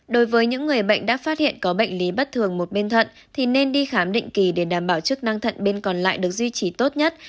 đối với những người bệnh đã phát hiện có bệnh lý bất thường một bên thận thì nên đi khám định kỳ để đảm bảo chức năng thận bên còn lại được duy trì tốt nhất